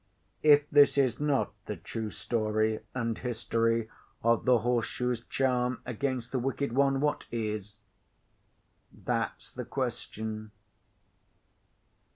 If this is not the true story and history of the horse shoe's charm against the wicked one, what is? That's the question.